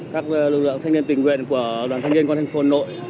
các lực lượng thanh niên tình nguyện của đoàn thanh niên quân thành phố hà nội